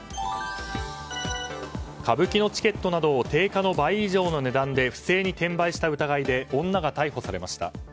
歌舞伎のチケットなどを定価の倍以上の値段で不正に転売した疑いで女が逮捕されました。